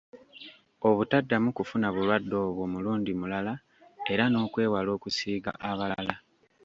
Obutaddamu kufuna bulwadde obwo mulundi mulala era n’okwewala okusiiga abalala.